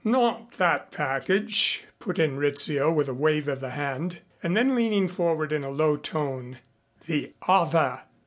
"Not that package," put in Rizzio with a wave of the hand. And then, leaning forward, in a low tone, "The other."